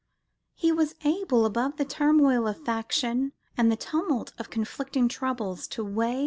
He was able, above the turmoil of faction and the tumult of conflicting troubles, to weigh